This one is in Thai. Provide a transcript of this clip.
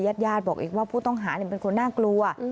ญาติญาติบอกอีกว่าผู้ต้องหาเป็นคนน่ากลัว